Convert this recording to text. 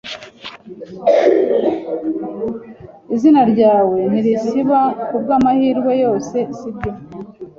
Izina ryawe ntirizaba , kubwamahirwe yose, sibyo?